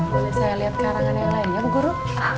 boleh saya lihat karangan yang lain ya bu guru